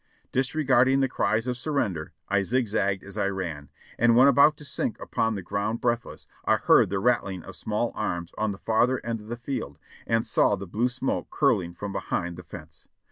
Disregarding the cries of surrender, I zigzagged as I ran, and when about to sink upon the ground breathless, I heard the rat tling of small arms on the farther end of the field and saw the blue smoke curling from behind the fence.